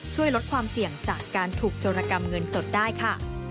ช่วยลดความเสี่ยงจากการถูกโจรกรรมเงินสดได้ค่ะ